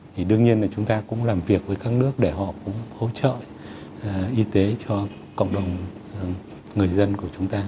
thì đương nhiên là chúng ta cũng làm việc với các nước để họ cũng hỗ trợ y tế cho cộng đồng người dân của chúng ta